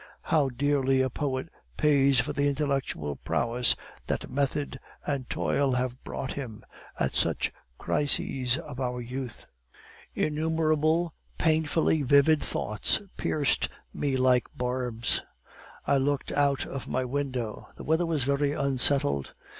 How dearly a poet pays for the intellectual prowess that method and toil have brought him, at such crises of our youth! Innumerable painfully vivid thoughts pierced me like barbs. I looked out of my window; the weather was very unsettled.